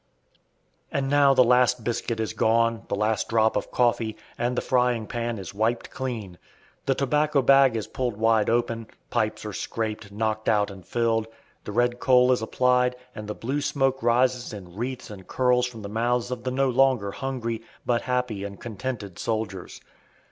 And now the last biscuit is gone, the last drop of coffee, and the frying pan is "wiped" clean. The tobacco bag is pulled wide open, pipes are scraped, knocked out, and filled, the red coal is applied, and the blue smoke rises in wreaths and curls from the mouths of the no longer hungry, but happy and contented soldiers.